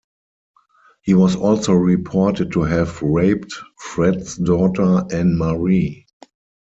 He was also reported to have raped Fred's daughter Anne-Marie.